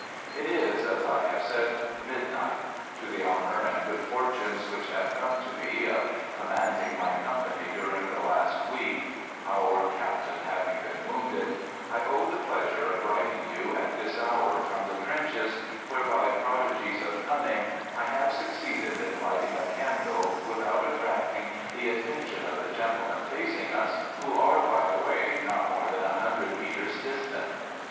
It is, as I have said, midnight. To the honor and good fortunes which have come to me of command Digitized by THE GOOD SOLDIER " 43 ing my company during the last week (our captain having been wounded) I owe the pleasure of writing you at this hour from the trenches, where by prodi gies of cunning, I have succeeded in lighting a candle without attracting the attention of the gentlemen facing us, who are, by the way, not more than a hun dred meters distant.